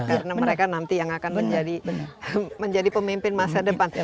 karena mereka nanti yang akan menjadi pemimpin masa depan